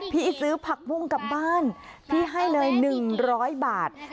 ซื้อผักบุ้งกลับบ้านพี่ให้เลย๑๐๐บาท